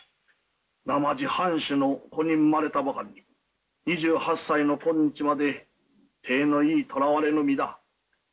なまじ藩主の子に生まれたばかりに２８歳の今日まで体のいいとらわれの身だ。